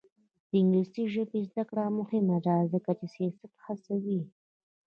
د انګلیسي ژبې زده کړه مهمه ده ځکه چې سیاحت هڅوي.